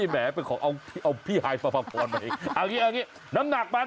แหมเป็นของเอาพี่หายประมาณนี้น้ำหนักมัน